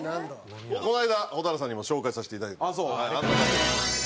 この間蛍原さんにも紹介させて頂いた。